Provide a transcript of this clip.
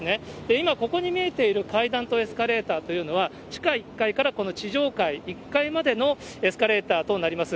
今、ここに見えている階段とエスカレーターというのは、地下１階からこの地上階、１階までのエスカレーターとなります。